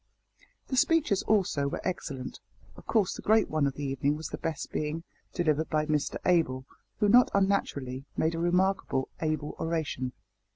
The speeches, also, were excellent. Of course the great one of the evening was the best being, delivered by Mr Abel, who not unnaturally made a remarkably able oration.